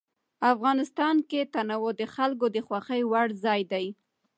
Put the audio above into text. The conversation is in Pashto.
افغانستان کې تنوع د خلکو د خوښې وړ ځای دی.